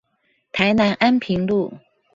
台南安平路